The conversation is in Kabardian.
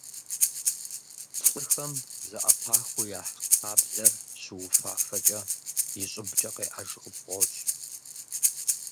Лӏыхэм зэӏэпахыу яхь кхъаблэр щыуфафэкӏэ, и щӏыбкӏэ къеӏэж къыпфӏощӏ.